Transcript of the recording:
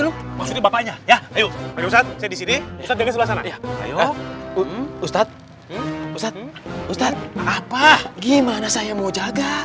kemudian disini tetapi memang ustedes pesat untuk saat apa gimana saya mau jaga